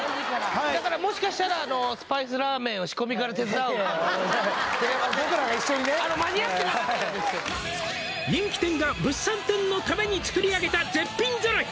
だからもしかしたらあの僕らが一緒にねあの間に合ってなかったら「人気店が物産展のために作り上げた絶品揃い」